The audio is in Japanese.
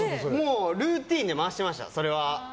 ルーティンで回してました。